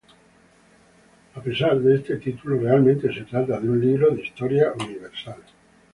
A pesar de este título, realmente se trata sobre un libro de Historia Universal.